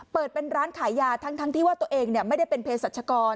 เปิดเป็นร้านขายยาทั้งที่ว่าตัวเองไม่ได้เป็นเพศรัชกร